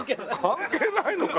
関係ないのか。